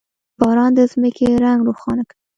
• باران د ځمکې رنګ روښانه کوي.